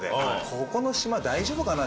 ここの島大丈夫かな？